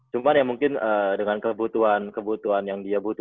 cuma ya mungkin dengan kebutuhan kebutuhan yang dia butuh